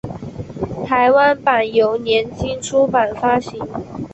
台湾版由联经出版发行。